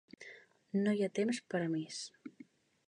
No hi ha temps per a més.